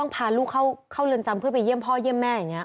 พาลูกเข้าเรือนจำเพื่อไปเยี่ยมพ่อเยี่ยมแม่อย่างนี้